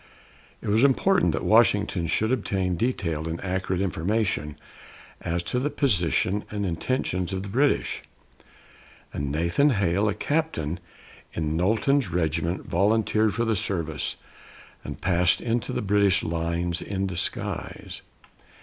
It was important that Washington should obtain detailed and accurate information as to the position and intentions of the British, and Nathan Hale, a captain in Knowlton's regiment, volunteered for the service, and passed into the British lines in disguise.